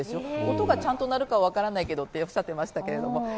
音がちゃんと鳴るかは分からないけどとおっしゃってましたけど。